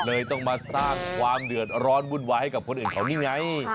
เลยต้องมาสร้างความเดือดร้อนวุ่นวายให้กับคนอื่นเขานี่ไง